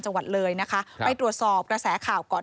จังหวัดเลยนะคะไปตรวจสอบกระแสข่าวก่อน